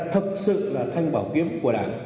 thật sự là thanh bảo kiếm của đảng